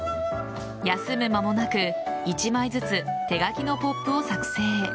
休む間もなく１枚ずつ手書きのＰＯＰを作成。